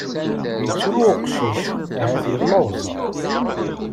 Yettru uqcic, ahat yelluẓ?